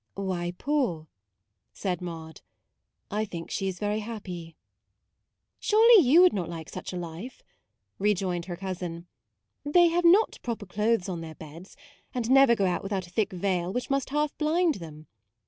" Why poor ?" said Maude. " I think she is very happy." MAUDE 45 " Surely you would not like such a life," rejoined her cousin : "they have not proper clothes on their beds, and never go out without a thick veil, which must half blind them.